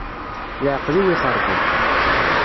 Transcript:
Leεqel-iw ixeṛben.